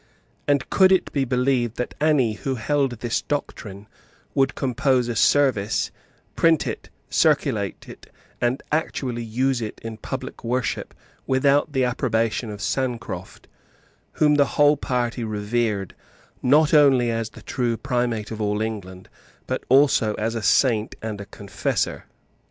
And could it be believed that any who held this doctrine would compose a service, print it, circulate it, and actually use it in public worship, without the approbation of Sancroft, whom the whole party revered, not only as the true Primate of all England, but also as a Saint and a Confessor?